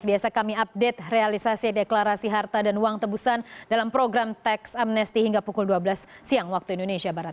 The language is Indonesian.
biasa kami update realisasi deklarasi harta dan uang tebusan dalam program tax amnesti hingga pukul dua belas siang waktu indonesia barat